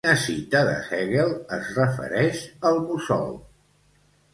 Quina cita de Hegel es refereix al mussol?